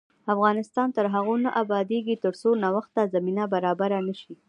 افغانستان تر هغو نه ابادیږي، ترڅو نوښت ته زمینه برابره نشي.